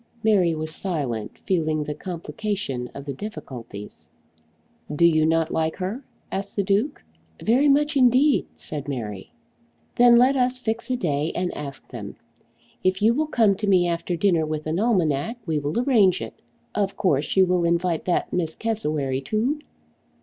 Mary was silent, feeling the complication of the difficulties. "Do you not like her?" asked the Duke. "Very much indeed," said Mary. "Then let us fix a day and ask them. If you will come to me after dinner with an almanac we will arrange it. Of course you will invite that Miss Cassewary too?"